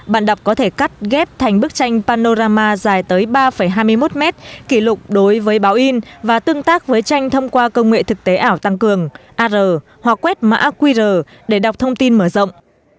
bạn đọc có thể cắt ghép thành bức tranh panorama dài tới ba hai mươi một mét kỷ lục đối với báo in và tương tác với tranh thông qua công nghệ thực tế ảo tăng cường ar hoặc quét mã qr để đọc thông tin mở rộng